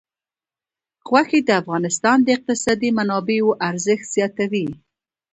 غوښې د افغانستان د اقتصادي منابعو ارزښت زیاتوي.